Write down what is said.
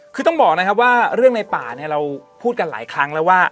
คือต้องบอกนะครับว่าเรื่องในป่าเนี่ยเราพูดกันหลายครั้งแล้วว่า